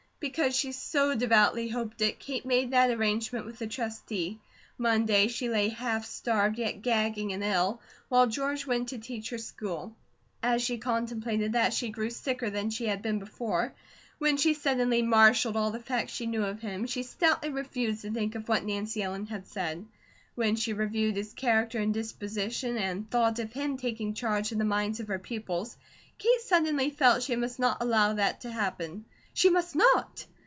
Because she so devoutly hoped it, Kate made that arrangement with the Trustee. Monday, she lay half starved, yet gagging and ill, while George went to teach her school. As she contemplated that, she grew sicker than she had been before. When she suddenly marshalled all the facts she knew of him, she stoutly refused to think of what Nancy Ellen had said; when she reviewed his character and disposition, and thought of him taking charge of the minds of her pupils, Kate suddenly felt she must not allow that to happen, she must not!